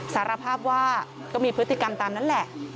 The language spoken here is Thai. สารภาพว่าก็มีพฤติกรรมตามนั้นแหละ